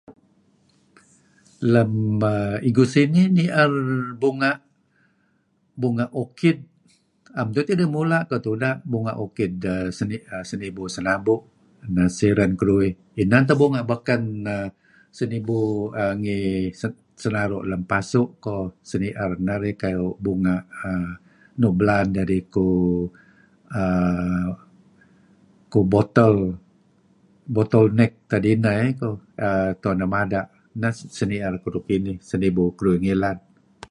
"Lam igu sinih uih nier bunga' bunga' okid, am tun tidih mula' nuk tuda; bunga' okid sinibu Senabu' neh siren keduih. Inan teh bunga; sinibu sinaru' lem pasu' koh sinier narih kuh bunga' nuk belaan deh kuh uhm kuh ""bottle neck' tad ineh kuh tuen deh mada'. Neh nuk siner kuh edto kinih sinibu keduih ngilad. "